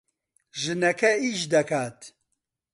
ژنەکە ئیش دەکات.